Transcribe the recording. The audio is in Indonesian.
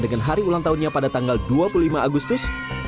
dan hari ulang tahunnya pada tanggal dua puluh lima agustus